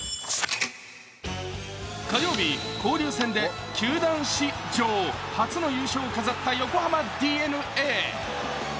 火曜日、交流戦で球団史上初の優勝を飾った横浜ＤｅＮＡ。